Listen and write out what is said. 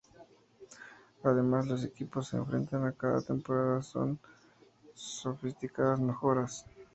Además los equipos se enfrentan a cada temporada con sofisticadas mejoras.